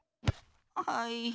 はい。